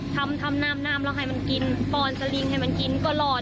ทำทำน้ำน้ำแล้วให้มันกินป้อนสลิงให้มันกินก็รอด